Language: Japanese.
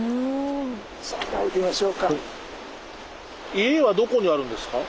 家はどこにあるんですか？